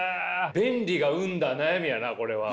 便利が生んだ悩みやなこれは。